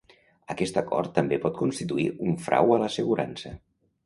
Aquest acord també pot constituir un frau a l'assegurança.